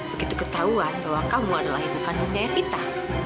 begitu ketahuan bahwa kamu adalah ibu kandungnya evita